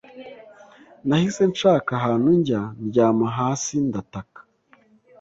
nahise nshaka ahantu njya, ndyama hasi ndataka cyane